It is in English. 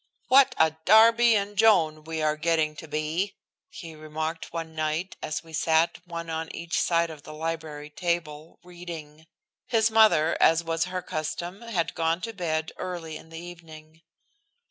"What a Darby and Joan we are getting to be!" he remarked one night as we sat one on each side of the library table, reading. His mother, as was her custom, had gone to bed early in the evening.